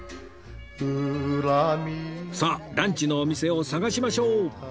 さあランチのお店を探しましょう！